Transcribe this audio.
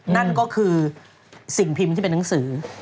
นั่นก็คือสิ่งพิมพ์ที่เป็นหนังสือ